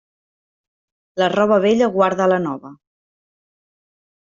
La roba vella guarda la nova.